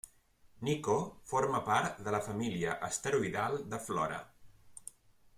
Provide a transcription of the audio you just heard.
Nikko forma part de la família asteroidal de Flora.